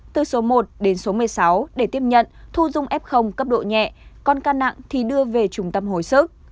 từ số một đến số một mươi sáu để tiếp nhận thu dung f cấp độ nhẹ còn ca nặng thì đưa về trung tâm hồi sức